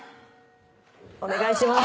お願いします。